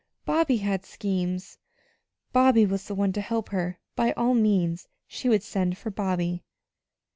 Bobby had schemes. Bobby was the one to help her. By all means, she would send for Bobby!